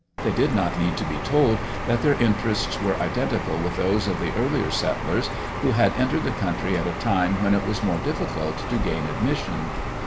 They did not need to be told that their interests were identical with those of the earlier settlers who had entered the country at a time when it was more difficult to gain admission.